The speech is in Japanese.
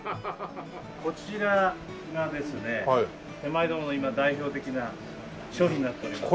こちらがですね手前どもの今代表的な商品になっております。